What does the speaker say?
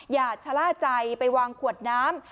อย่าชะล่าใจไปวางขวดน้ำ